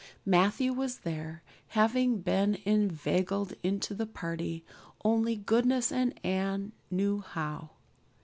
Matthew was there, having been inveigled into the party only goodness and Anne knew how.